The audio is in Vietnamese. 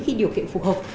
khi điều kiện phù hợp